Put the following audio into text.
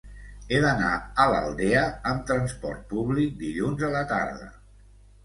He d'anar a l'Aldea amb trasport públic dilluns a la tarda.